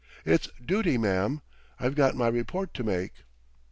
It's duty, ma'am; I've got my report to make."